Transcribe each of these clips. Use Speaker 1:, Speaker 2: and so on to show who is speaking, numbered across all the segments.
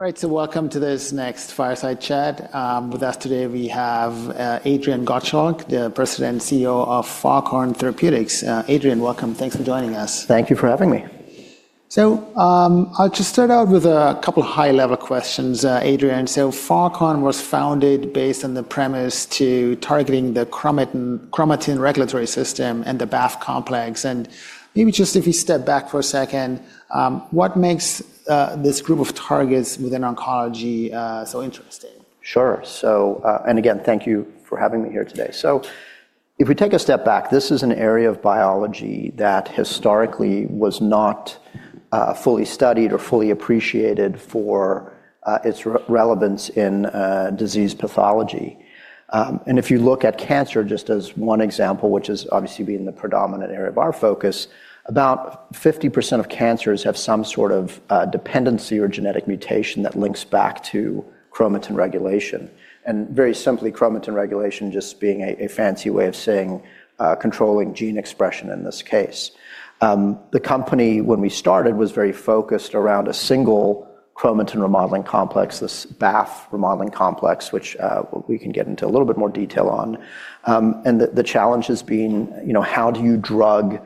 Speaker 1: All right, so welcome to this next Fireside chat. With us today, we have Adrian Gottschalk, the President and CEO of Foghorn Therapeutics. Adrian, welcome. Thanks for joining us.
Speaker 2: Thank you for having me.
Speaker 1: I'll just start out with a couple of high-level questions, Adrian. Foghorn was founded based on the premise to targeting the chromatin regulatory system and the BAF complex. Maybe just if we step back for a second, what makes this group of targets within oncology so interesting?
Speaker 2: Sure. Again, thank you for having me here today. If we take a step back, this is an area of biology that historically was not fully studied or fully appreciated for its relevance in disease pathology. If you look at cancer, just as one example, which is obviously the predominant area of our focus, about 50% of cancers have some sort of dependency or genetic mutation that links back to chromatin regulation. Very simply, chromatin regulation is just a fancy way of saying controlling gene expression in this case. The company, when we started, was very focused around a single chromatin remodeling complex, this BAF remodeling complex, which we can get into a little bit more detail on. The challenge has been, how do you drug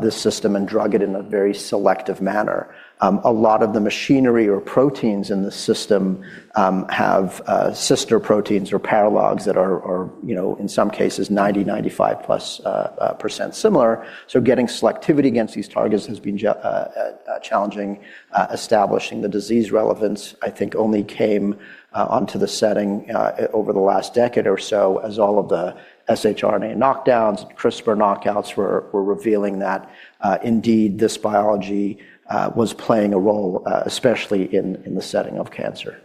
Speaker 2: this system and drug it in a very selective manner? A lot of the machinery or proteins in the system have sister proteins or paralogs that are, in some cases, 90%-95%+ similar. Getting selectivity against these targets has been challenging. Establishing the disease relevance, I think, only came onto the setting over the last decade or so as all of the shRNA knockdowns and CRISPR knockouts were revealing that, indeed, this biology was playing a role, especially in the setting of cancer.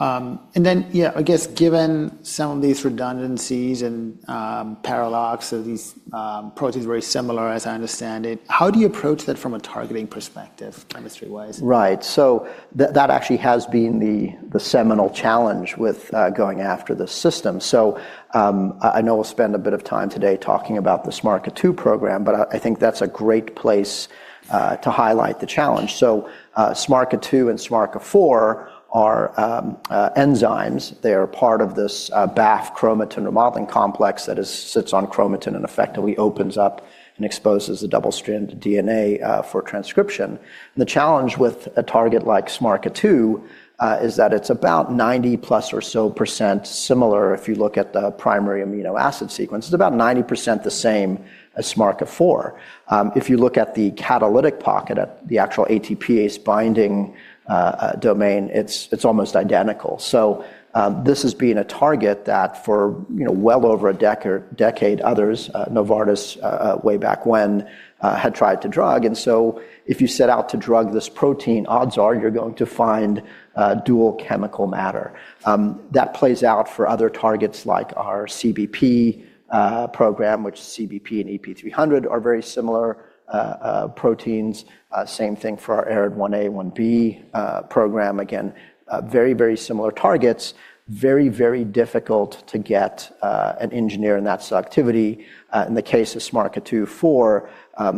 Speaker 1: Yeah, I guess given some of these redundancies and paralogs of these proteins very similar, as I understand it, how do you approach that from a targeting perspective, chemistry-wise?
Speaker 2: Right. That actually has been the seminal challenge with going after the system. I know we'll spend a bit of time today talking about the SMARCA2 program, but I think that's a great place to highlight the challenge. SMARCA2 and SMARCA4 are enzymes. They are part of this BAF chromatin remodeling complex that sits on chromatin and effectively opens up and exposes the double-stranded DNA for transcription. The challenge with a target like SMARCA2 is that it's about 90%+ or so similar if you look at the primary amino acid sequence. It's about 90% the same as SMARCA4. If you look at the catalytic pocket, the actual ATPase binding domain, it's almost identical. This has been a target that for well over a decade, others, Novartis way back when, had tried to drug. If you set out to drug this protein, odds are you're going to find dual chemical matter. That plays out for other targets like our CBP program, which CBP and EP300 are very similar proteins. Same thing for our ARID1A-1B program. Again, very, very similar targets. Very, very difficult to get and engineer in that selectivity. In the case of SMARCA2-4,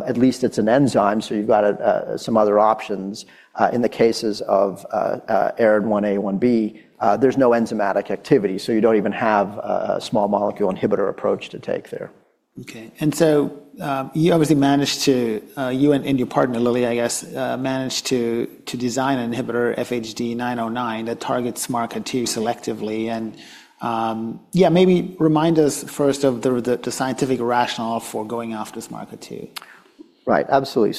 Speaker 2: at least it's an enzyme, so you've got some other options. In the cases of ARID1A-1B, there's no enzymatic activity, so you don't even have a small molecule inhibitor approach to take there.
Speaker 1: Okay. You obviously managed to, you and your partner, Lilly, I guess, managed to design an inhibitor, FHD-909, that targets SMARCA2 selectively. Maybe remind us first of the scientific rationale for going after SMARCA2.
Speaker 2: Right. Absolutely.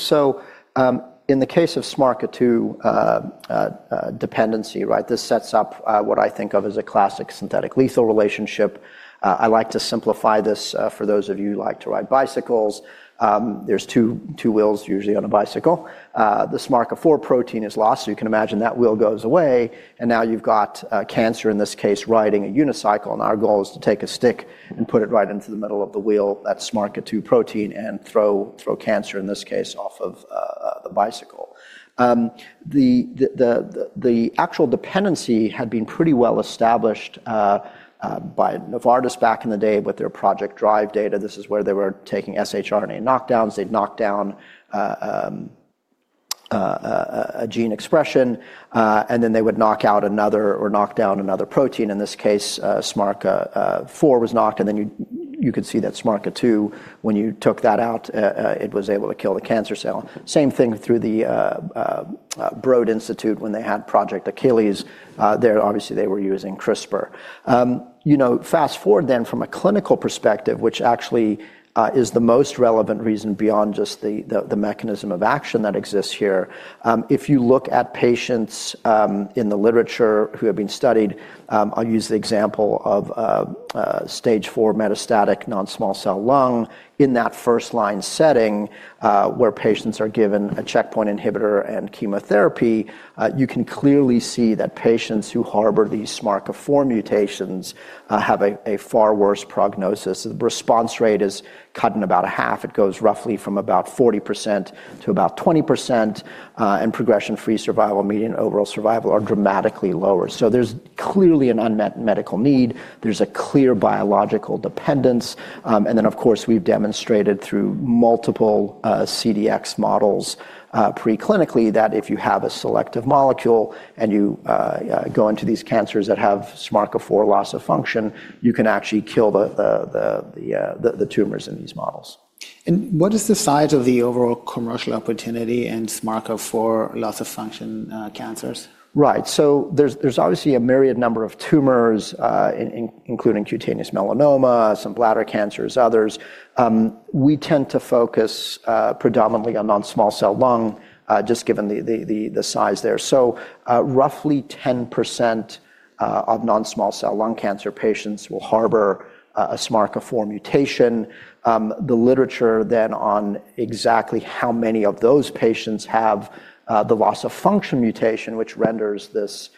Speaker 2: In the case of SMARCA2 dependency, this sets up what I think of as a classic synthetic-lethal relationship. I like to simplify this for those of you who like to ride bicycles. There are two wheels usually on a bicycle. The SMARCA4 protein is lost, so you can imagine that wheel goes away. Now you have cancer, in this case, riding a unicycle. Our goal is to take a stick and put it right into the middle of the wheel, that SMARCA2 protein, and throw cancer, in this case, off of the bicycle. The actual dependency had been pretty well established by Novartis back in the day with their Project DRIVE data. This is where they were taking shRNA knockdowns. They would knock down a gene expression, and then they would knock out another or knock down another protein. In this case, SMARCA4 was knocked. You could see that SMARCA2, when you took that out, it was able to kill the cancer cell. Same thing through the Broad Institute when they had Project Achilles. There, obviously, they were using CRISPR. Fast forward then from a clinical perspective, which actually is the most relevant reason beyond just the mechanism of action that exists here. If you look at patients in the literature who have been studied, I'll use the example of stage IV metastatic non-small cell lung. In that first-line setting where patients are given a checkpoint inhibitor and chemotherapy, you can clearly see that patients who harbor these SMARCA4 mutations have a far worse prognosis. The response rate is cut in about half. It goes roughly from about 40% to about 20%. And progression-free survival, median overall survival, are dramatically lower. There is clearly an unmet medical need. There's a clear biological dependence. Of course, we've demonstrated through multiple CDX models preclinically that if you have a selective molecule and you go into these cancers that have SMARCA4 loss of function, you can actually kill the tumors in these models.
Speaker 1: What is the size of the overall commercial opportunity in SMARCA4 loss of function cancers?
Speaker 2: Right. So there's obviously a myriad number of tumors, including cutaneous melanoma, some bladder cancers, others. We tend to focus predominantly on non-small cell lung, just given the size there. So roughly 10% of non-small cell lung cancer patients will harbor a SMARCA4 mutation. The literature then on exactly how many of those patients have the loss of function mutation, which renders this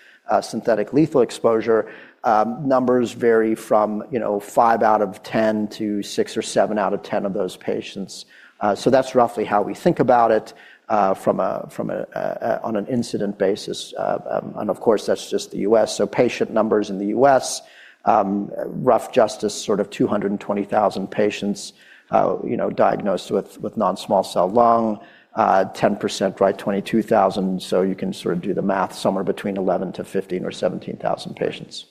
Speaker 2: synthetic-lethal exposure, numbers vary from five out of 10 to six or seven out of 10 of those patients. So that's roughly how we think about it on an incident basis. And of course, that's just the U.S. So patient numbers in the U.S., rough justice sort of 220,000 patients diagnosed with non-small cell lung, 10%, right, 22,000. So you can sort of do the math, somewhere between 11,000-15,000 or 17,000 patients.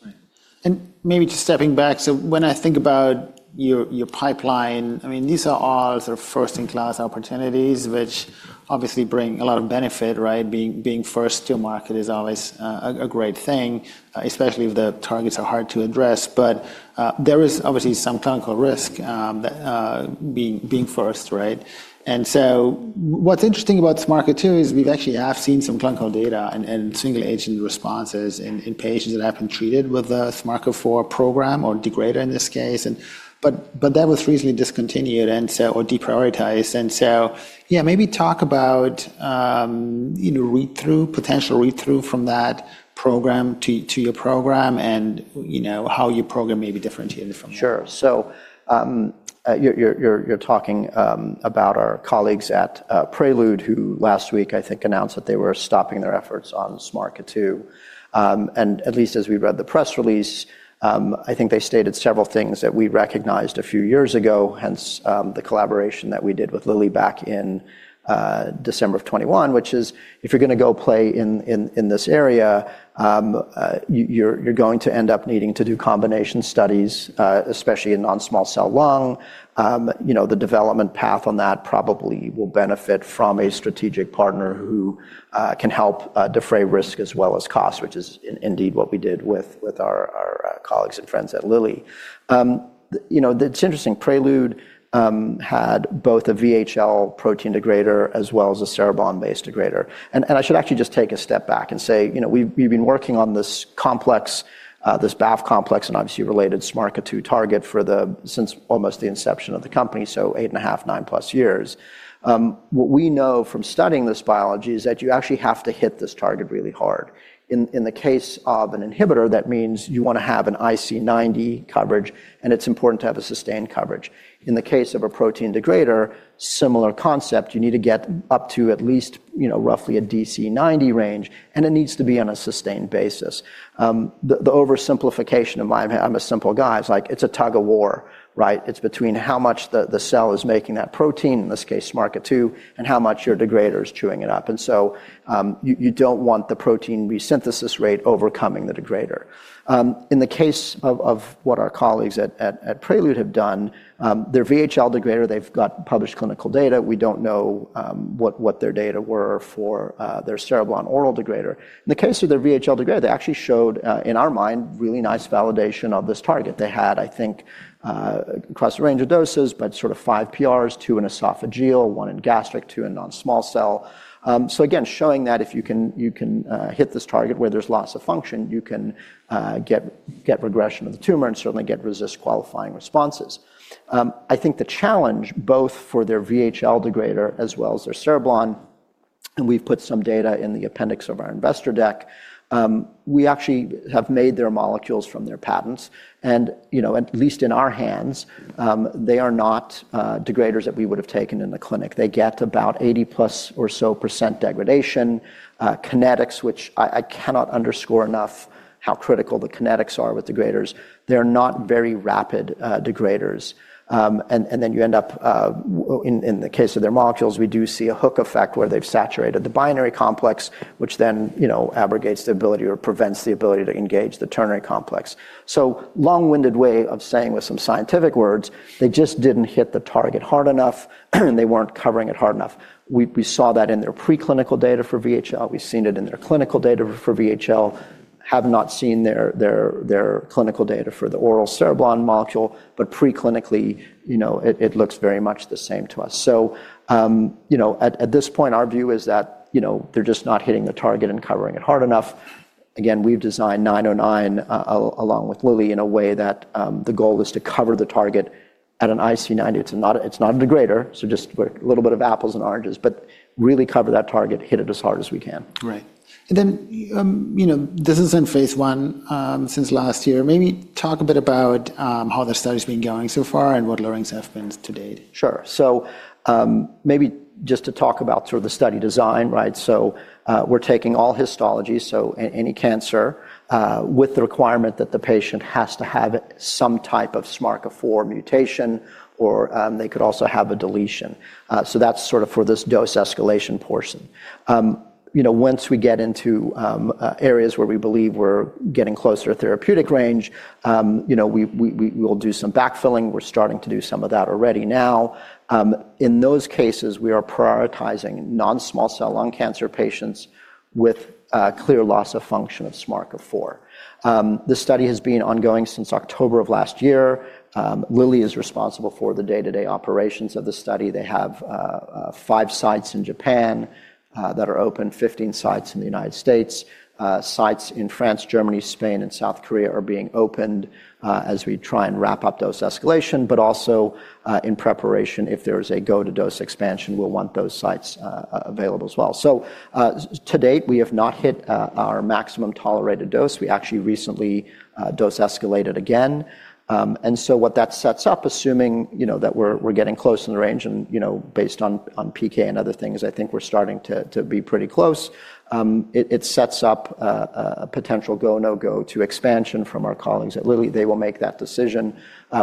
Speaker 1: Maybe just stepping back, so when I think about your pipeline, I mean, these are all sort of first-in-class opportunities, which obviously bring a lot of benefit, right? Being first to a market is always a great thing, especially if the targets are hard to address. There is obviously some clinical risk being first, right? What's interesting about SMARCA2 is we've actually seen some clinical data and single-agent responses in patients that have been treated with the SMARCA2 program or degrader in this case, but that was recently discontinued or deprioritized. Maybe talk about read-through, potential read-through from that program to your program and how your program may be differentiated from that.
Speaker 2: Sure. You're talking about our colleagues at Prelude who last week, I think, announced that they were stopping their efforts on SMARCA2. At least as we read the press release, I think they stated several things that we recognized a few years ago, hence the collaboration that we did with Lilly back in December of 2021, which is if you're going to go play in this area, you're going to end up needing to do combination studies, especially in non-small cell lung. The development path on that probably will benefit from a strategic partner who can help defray risk as well as cost, which is indeed what we did with our colleagues and friends at Lilly. It's interesting. Prelude had both a VHL protein degrader as well as a Cereblon-based degrader. I should actually just take a step back and say we've been working on this complex, this BAF complex and obviously related SMARCA2 target since almost the inception of the company, so eight and a half, nine plus years. What we know from studying this biology is that you actually have to hit this target really hard. In the case of an inhibitor, that means you want to have an IC90 coverage, and it's important to have a sustained coverage. In the case of a protein degrader, similar concept, you need to get up to at least roughly a DC90 range, and it needs to be on a sustained basis. The oversimplification of my I'm a simple guy. It's like it's a tug of war, right? It's between how much the cell is making that protein, in this case SMARCA2, and how much your degrader is chewing it up. You do not want the protein resynthesis rate overcoming the degrader. In the case of what our colleagues at Prelude have done, their VHL degrader, they have got published clinical data. We do not know what their data were for their Cereblon oral degrader. In the case of their VHL degrader, they actually showed, in our mind, really nice validation of this target. They had, I think, across a range of doses, but sort of five PRs, two in esophageal, one in gastric, two in non-small cell. Again, showing that if you can hit this target where there is loss of function, you can get regression of the tumor and certainly get resist-qualifying responses. I think the challenge, both for their VHL degrader as well as their Cereblon, and we have put some data in the appendix of our investor deck, we actually have made their molecules from their patents. At least in our hands, they are not degraders that we would have taken in the clinic. They get about 80%+ or so degradation. Kinetics, which I cannot underscore enough how critical the kinetics are with degraders, they're not very rapid degraders. You end up, in the case of their molecules, we do see a hook effect where they've saturated the binary complex, which then abrogates the ability or prevents the ability to engage the ternary complex. Long-winded way of saying with some scientific words, they just didn't hit the target hard enough, and they weren't covering it hard enough. We saw that in their preclinical data for VHL. We've seen it in their clinical data for VHL. Have not seen their clinical data for the oral Cereblon molecule, but preclinically, it looks very much the same to us. At this point, our view is that they're just not hitting the target and covering it hard enough. Again, we've designed 909 along with Lilly in a way that the goal is to cover the target at an IC90. It's not a degrader, so just a little bit of apples and oranges, but really cover that target, hit it as hard as we can.
Speaker 1: Right. This is in phase one since last year. Maybe talk a bit about how the study has been going so far and what learnings have been to date.
Speaker 2: Sure. So maybe just to talk about sort of the study design, right? We're taking all histologies, so any cancer, with the requirement that the patient has to have some type of SMARCA4 mutation, or they could also have a deletion. That's sort of for this dose escalation portion. Once we get into areas where we believe we're getting closer to therapeutic range, we will do some backfilling. We're starting to do some of that already now. In those cases, we are prioritizing non-small cell lung cancer patients with clear loss of function of SMARCA4. The study has been ongoing since October of last year. Lilly is responsible for the day-to-day operations of the study. They have five sites in Japan that are open, 15 sites in the United States. Sites in France, Germany, Spain, and South Korea are being opened as we try and wrap up dose escalation, but also in preparation, if there is a go-to-dose expansion, we'll want those sites available as well. To date, we have not hit our maximum tolerated dose. We actually recently dose escalated again. What that sets up, assuming that we're getting close in the range, and based on PK and other things, I think we're starting to be pretty close, it sets up a potential go-no-go to expansion from our colleagues at Lilly. They will make that decision.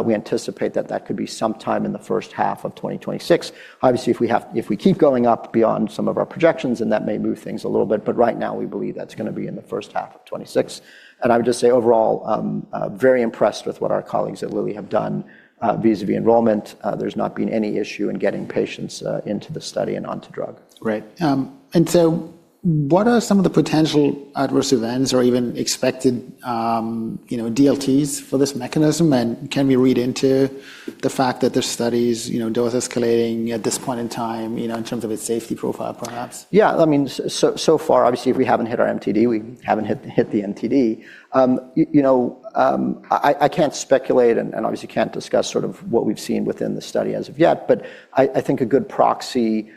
Speaker 2: We anticipate that that could be sometime in the first half of 2026. Obviously, if we keep going up beyond some of our projections, then that may move things a little bit. Right now, we believe that's going to be in the first half of 2026. I would just say overall, very impressed with what our colleagues at Lilly have done vis-à-vis enrollment. There's not been any issue in getting patients into the study and onto drug.
Speaker 1: Right. What are some of the potential adverse events or even expected DLTs for this mechanism? Can we read into the fact that the study is dose escalating at this point in time in terms of its safety profile, perhaps?
Speaker 2: Yeah. I mean, so far, obviously, if we haven't hit our MTD, we haven't hit the MTD. I can't speculate and obviously can't discuss sort of what we've seen within the study as of yet, but I think a good proxy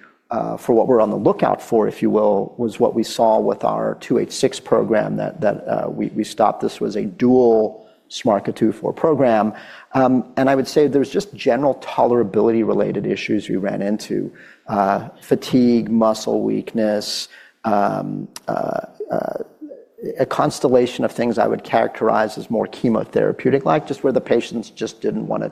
Speaker 2: for what we're on the lookout for, if you will, was what we saw with our 286 program that we stopped. This was a dual SMARCA2/4 program. And I would say there's just general tolerability-related issues we ran into: fatigue, muscle weakness, a constellation of things I would characterize as more chemotherapeutic-like, just where the patients just didn't want to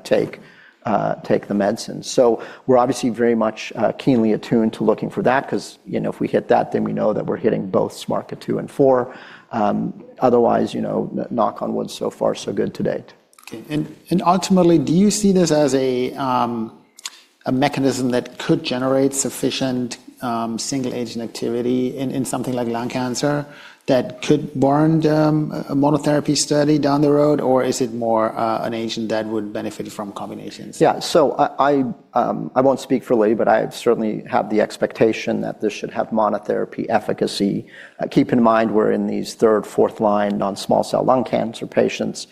Speaker 2: take the medicine. So we're obviously very much keenly attuned to looking for that because if we hit that, then we know that we're hitting both SMARCA2 and 4. Otherwise, knock on wood, so far, so good to date.
Speaker 1: Okay. Ultimately, do you see this as a mechanism that could generate sufficient single-agent activity in something like lung cancer that could warrant a monotherapy study down the road, or is it more an agent that would benefit from combinations?
Speaker 2: Yeah. So I won't speak for Lilly, but I certainly have the expectation that this should have monotherapy efficacy. Keep in mind we're in these third, fourth-line non-small cell lung cancer patients.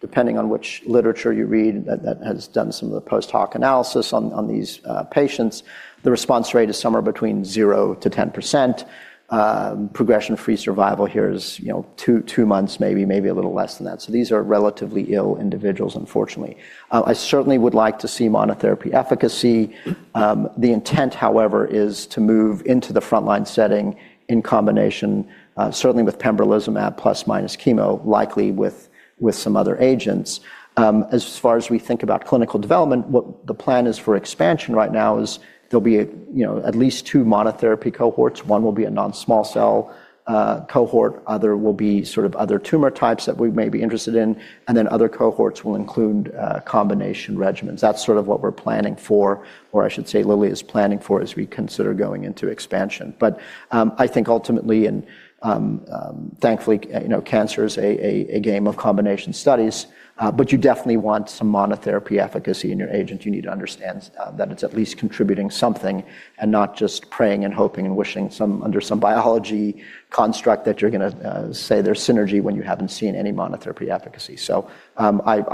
Speaker 2: Depending on which literature you read that has done some of the post-hoc analysis on these patients, the response rate is somewhere between 0%-10%. Progression-free survival here is two months, maybe a little less than that. These are relatively ill individuals, unfortunately. I certainly would like to see monotherapy efficacy. The intent, however, is to move into the frontline setting in combination, certainly with pembrolizumab plus-minus chemo, likely with some other agents. As far as we think about clinical development, what the plan is for expansion right now is there'll be at least two monotherapy cohorts. One will be a non-small cell cohort. Other will be sort of other tumor types that we may be interested in. Other cohorts will include combination regimens. That is sort of what we are planning for, or I should say Lilly is planning for as we consider going into expansion. I think ultimately, and thankfully, cancer is a game of combination studies, but you definitely want some monotherapy efficacy in your agent. You need to understand that it is at least contributing something and not just praying and hoping and wishing under some biology construct that you are going to say there is synergy when you have not seen any monotherapy efficacy.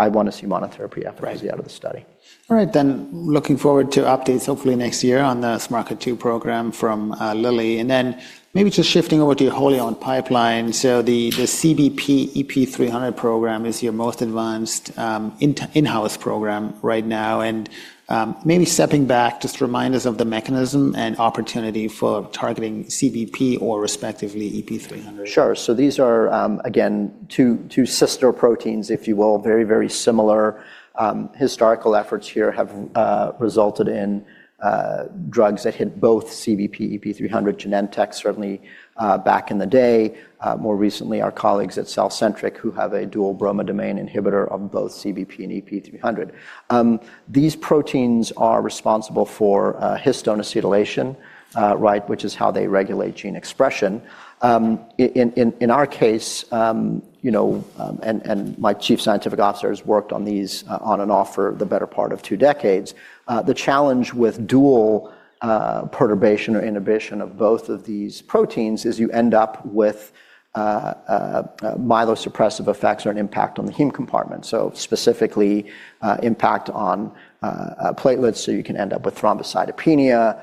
Speaker 2: I want to see monotherapy efficacy out of the study.
Speaker 1: All right. Looking forward to updates, hopefully next year on the SMARCA2 program from Lilly. Maybe just shifting over to your wholly owned pipeline. The CBP, EP300 program is your most advanced in-house program right now. Maybe stepping back, just remind us of the mechanism and opportunity for targeting CBP or respectively EP300.
Speaker 2: Sure. These are, again, two sister proteins, if you will, very, very similar. Historical efforts here have resulted in drugs that hit both CBP, EP300, Genentech certainly back in the day. More recently, our colleagues at CellCentric, who have a dual bromodomain inhibitor of both CBP and EP300. These proteins are responsible for histone acetylation, right, which is how they regulate gene expression. In our case, and my Chief Scientific Officer has worked on these on and off for the better part of two decades, the challenge with dual perturbation or inhibition of both of these proteins is you end up with myelosuppressive effects or an impact on the heme compartment, so specifically impact on platelets. You can end up with thrombocytopenia,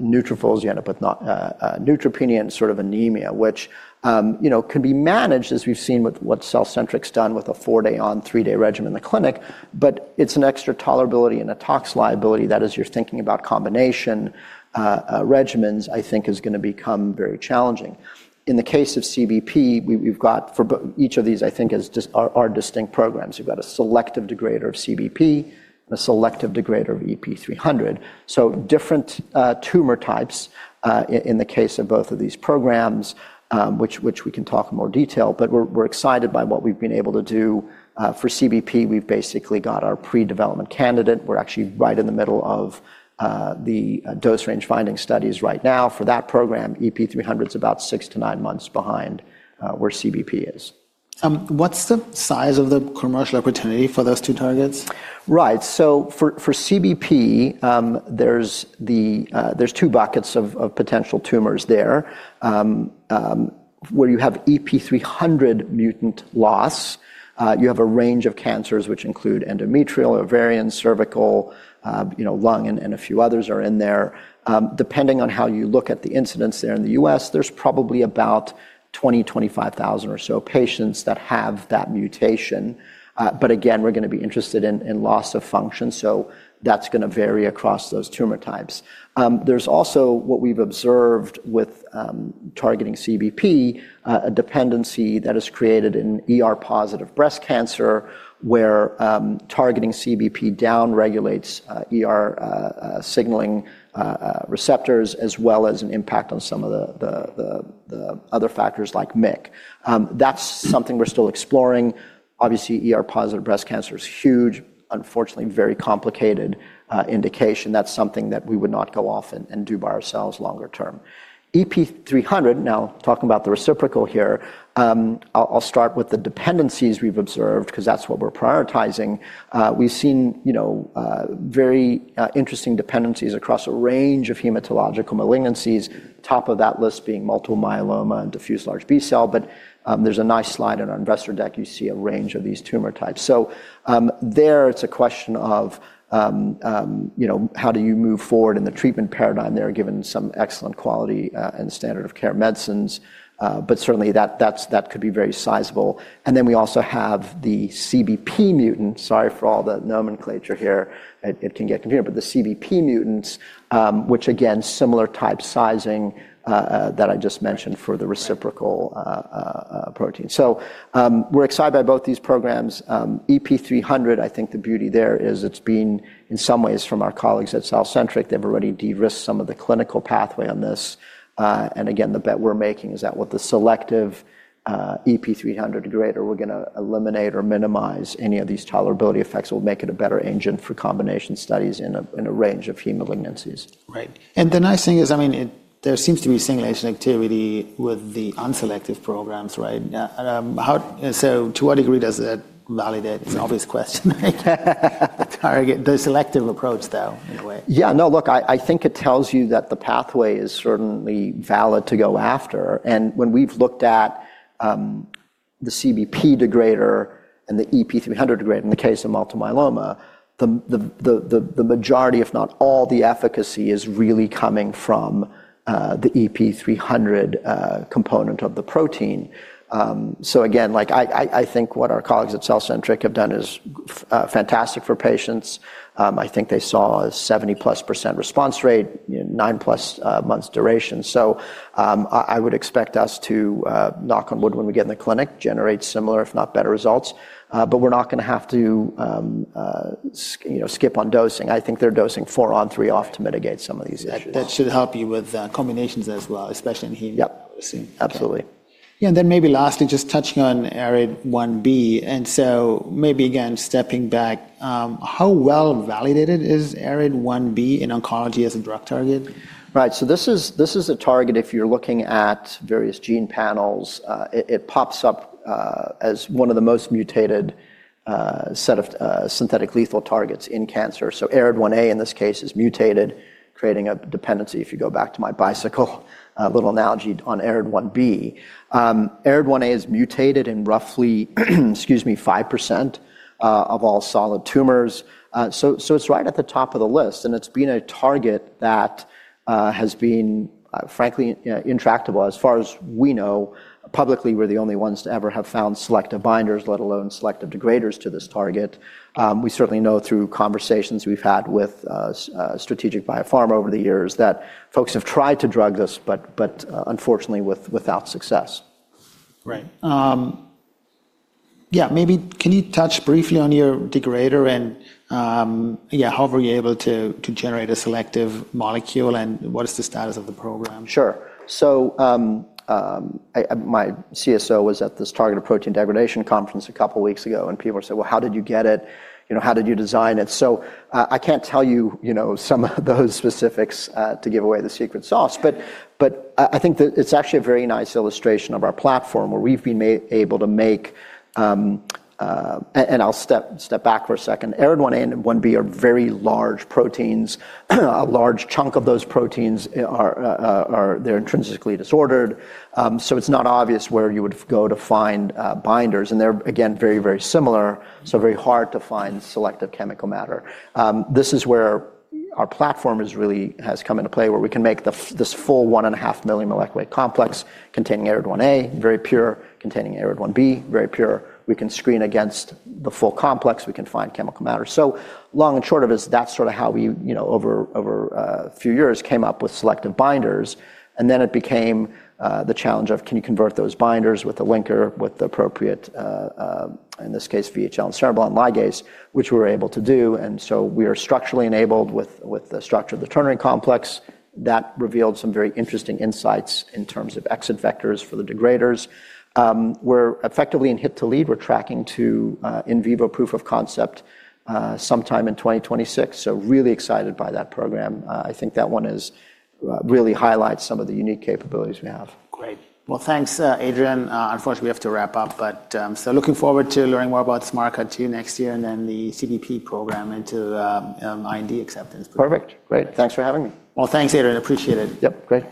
Speaker 2: neutrophils, you end up with neutropenia, and sort of anemia, which can be managed as we've seen with what CellCentric's done with a four-day-on, three-day regimen in the clinic. It is an extra tolerability and a tox liability that as you're thinking about combination regimens, I think is going to become very challenging. In the case of CBP, we've got for each of these, I think, are distinct programs. You've got a selective degrader of CBP and a selective degrader of EP300. Different tumor types in the case of both of these programs, which we can talk in more detail, but we're excited by what we've been able to do for CBP. We've basically got our pre-development candidate. We're actually right in the middle of the dose range finding studies right now for that program. EP300 is about six to nine months behind where CBP is.
Speaker 1: What's the size of the commercial opportunity for those two targets?
Speaker 2: Right. For CBP, there are two buckets of potential tumors there. Where you have EP300 mutant loss, you have a range of cancers, which include endometrial, ovarian, cervical, lung, and a few others are in there. Depending on how you look at the incidence there in the U.S., there are probably about 20,000-25,000 or so patients that have that mutation. Again, we are going to be interested in loss of function, so that is going to vary across those tumor types. There is also what we have observed with targeting CBP, a dependency that is created in ER-positive breast cancer, where targeting CBP downregulates signaling receptors as well as an impact on some of the other factors like MIC. That is something we are still exploring. Obviously, ER-positive breast cancer is huge, unfortunately, a very complicated indication. That is something that we would not go off and do by ourselves longer term. EP300, now talking about the reciprocal here, I'll start with the dependencies we've observed because that's what we're prioritizing. We've seen very interesting dependencies across a range of hematological malignancies, top of that list being multiple myeloma and diffuse large B-cell. There is a nice slide in our investor deck. You see a range of these tumor types. There, it's a question of how do you move forward in the treatment paradigm there given some excellent quality and standard of care medicines. Certainly, that could be very sizable. We also have the CBP mutant. Sorry for all the nomenclature here. It can get confusing. The CBP mutants, which again, similar type sizing that I just mentioned for the reciprocal protein. We're excited by both these programs. EP300, I think the beauty there is it's been in some ways from our colleagues at CellCentric. They've already de-risked some of the clinical pathway on this. Again, the bet we're making is that with the selective EP300 degrader, we're going to eliminate or minimize any of these tolerability effects. We'll make it a better agent for combination studies in a range of heme malignancies.
Speaker 1: Right. The nice thing is, I mean, there seems to be simulation activity with the unselective programs, right? To what degree does that validate? It's an obvious question, right? The selective approach though, in a way.
Speaker 2: Yeah. No, look, I think it tells you that the pathway is certainly valid to go after. And when we've looked at the CBP degrader and the EP300 degrader in the case of multiple myeloma, the majority, if not all, the efficacy is really coming from the EP300 component of the protein. So again, I think what our colleagues at CellCentric have done is fantastic for patients. I think they saw a 70%+ response rate, nine plus months duration. So I would expect us to, knock on wood, when we get in the clinic, generate similar, if not better, results. But we're not going to have to skip on dosing. I think they're dosing four-on, three-off to mitigate some of these issues.
Speaker 1: That should help you with combinations as well, especially in heme.
Speaker 2: Yep. Absolutely.
Speaker 1: Yeah. And then maybe lastly, just touching on ARID1B. And so maybe again, stepping back, how well validated is ARID1B in oncology as a drug target?
Speaker 2: Right. This is a target if you're looking at various gene panels. It pops up as one of the most mutated set of synthetic lethal targets in cancer. ARID1A in this case is mutated, creating a dependency if you go back to my bicycle, a little analogy on ARID1B. ARID1A is mutated in roughly, excuse me, 5% of all solid tumors. It is right at the top of the list. It has been a target that has been, frankly, intractable. As far as we know, publicly, we're the only ones to ever have found selective binders, let alone selective degraders to this target. We certainly know through conversations we've had with strategic biopharma over the years that folks have tried to drug this, but unfortunately without success.
Speaker 1: Right. Yeah. Maybe can you touch briefly on your degrader and, yeah, how were you able to generate a selective molecule and what is the status of the program?
Speaker 2: Sure. My CSO was at this targeted protein degradation conference a couple of weeks ago, and people said, "Well, how did you get it? How did you design it?" I can't tell you some of those specifics to give away the secret sauce. I think it's actually a very nice illustration of our platform where we've been able to make, and I'll step back for a second. ARID1A and 1B are very large proteins. A large chunk of those proteins, they're intrinsically disordered. It's not obvious where you would go to find binders. They're, again, very, very similar, so very hard to find selective chemical matter. This is where our platform has come into play where we can make this full one and a half million molecular complex containing ARID1A, very pure, containing ARID1B, very pure. We can screen against the full complex. We can find chemical matter. Long and short of it, that's sort of how we, over a few years, came up with selective binders. Then it became the challenge of, can you convert those binders with a linker with the appropriate, in this case, VHL and Cereblon ligase, which we were able to do. We are structurally enabled with the structure of the ternary complex. That revealed some very interesting insights in terms of exit vectors for the degraders. We're effectively in hit to lead. We're tracking to in vivo proof of concept sometime in 2026. Really excited by that program. I think that one really highlights some of the unique capabilities we have.
Speaker 1: Great. Thanks, Adrian. Unfortunately, we have to wrap up. Looking forward to learning more about SMARCA2 next year and then the CBP program into IND acceptance.
Speaker 2: Perfect. Great. Thanks for having me.
Speaker 1: Thanks, Adrian. Appreciate it.
Speaker 2: Yep. Great.